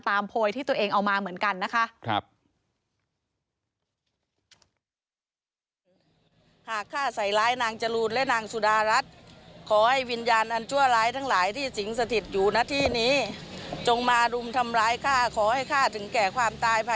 โพยที่ตัวเองเอามาเหมือนกันนะคะ